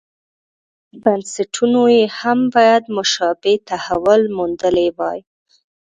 بنسټونو یې هم باید مشابه تحول موندلی وای.